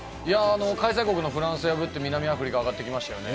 開催国のフランスを破って、南アフリカが上がってきました。